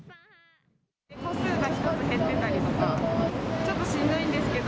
個数が１つ減ってたりとか、ちょっとしんどいんですけど。